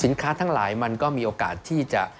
ทั้งหลายมันก็มีโอกาสที่จะ